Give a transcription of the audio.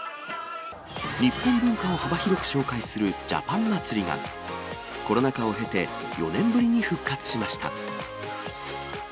日本文化を幅広く紹介するジャパン祭りが、コロナ禍を経て、４年ぶりに復活しました。